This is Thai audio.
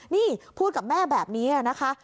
นี่พูดกับแม่แบบนี้นะคะ